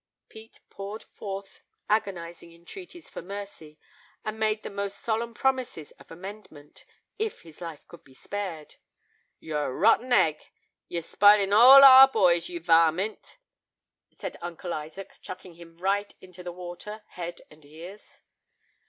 Pete poured forth agonizing entreaties for mercy, and made the most solemn promises of amendment, if his life could be spared. "You're a rotten egg; you're spilin' all our boys, you varmint," said Uncle Isaac, chucking him right into the water, head and ears.